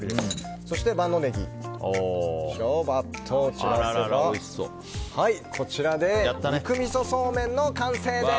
そして、万能ネギを散らせばこれで肉みそそうめんの完成です。